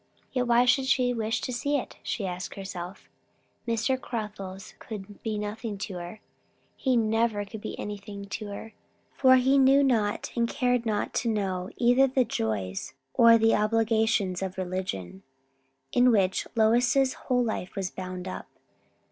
Yet why should she wish to see it? she asked herself. Mr. Caruthers could be nothing to her; he never could be anything to her; for he knew not and cared not to know either the joys or the obligations of religion, in which Lois's whole life was bound up.